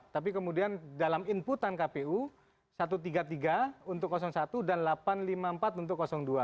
tapi kemudian dalam inputan kpu satu ratus tiga puluh tiga untuk satu dan delapan ratus lima puluh empat untuk dua